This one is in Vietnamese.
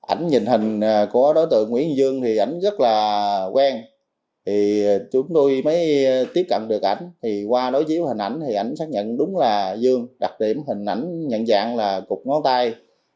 ảnh nhìn hình của đối tượng nguyễn dương thì ảnh rất là quen thì chúng tôi mới tiếp cận được ảnh thì qua đối chiếu hình ảnh thì ảnh xác nhận đúng là dương đặc điểm hình ảnh nhận dạng là cục ngón tay